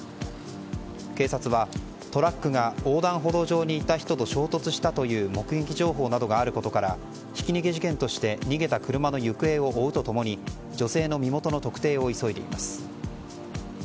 警察は、トラックが横断歩道上にいた人と衝突したという目撃情報などがあることからひき逃げ事件として逃げた車の行方を追うと共に女性の身元の特定を急いでいます。